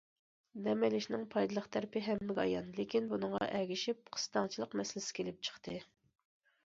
دەم ئېلىشنىڭ پايدىلىق تەرىپى ھەممىگە ئايان، لېكىن بۇنىڭغا ئەگىشىپ« قىستاڭچىلىق» مەسىلىسى كېلىپ چىقتى.